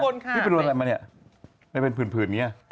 นี่เป็นวันอะไรมาเนี่ยเป็นพื้นเนี่ย